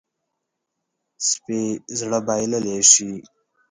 سپي زړه بایللی شي.